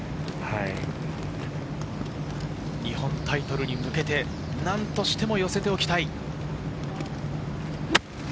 日本タイトルに向けて、なんとしても寄せておきたい。